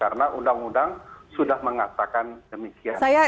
karena undang undang sudah mengatakan demikian